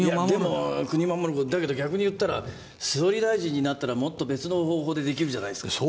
でも国守る、だけど逆に言ったら、総理大臣になったら、もっと別の方法でできるじゃないですか。